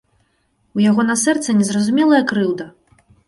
У яго на сэрцы незразумелая крыўда.